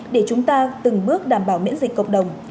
để chúng ta từng bước đảm bảo miễn dịch cộng đồng